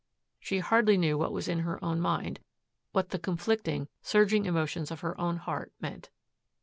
She hardly knew what was in her own mind, what the conflicting, surging emotions of her own heart meant.